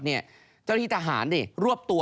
เจ้าหน้าที่ทหารดิรวบตัว